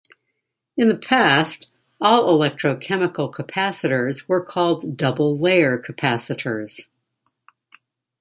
In the past, all electrochemical capacitors were called "double-layer capacitors".